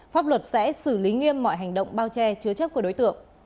pháp luật sẽ xử lý nghiêm mọi hành động bao che chứa chấp của đối tượng